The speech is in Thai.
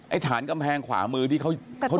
ฐานกำแพงขวามือที่เขา